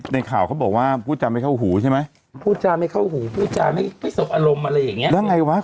นครชายศรีนครปฐมนะฮะ